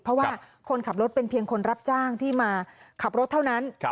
เพราะว่าคนขับรถเป็นเพียงคนรับจ้างที่มาขับรถเท่านั้น